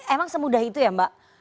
emang semudah itu ya mbak